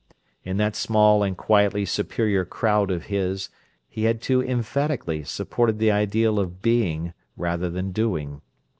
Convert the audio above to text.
In that small and quietly superior "crowd" of his he had too emphatically supported the ideal of being rather than doing.